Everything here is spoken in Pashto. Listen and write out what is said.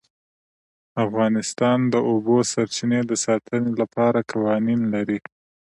افغانستان د د اوبو سرچینې د ساتنې لپاره قوانین لري.